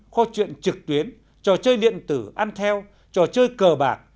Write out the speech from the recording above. kho chuyện trực tuyến trò chơi điện tử ăn theo trò chơi cờ bạc